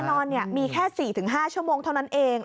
นอนมีแค่๔๕ชั่วโมงเท่านั้นเอง